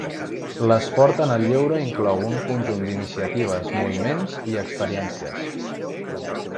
L'esport en el lleure inclou un conjunt d'iniciatives, moviments i experiències.